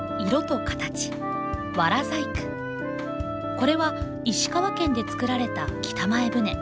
これは石川県で作られた北前船。